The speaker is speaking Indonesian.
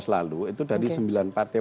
selalu itu dari sembilan partai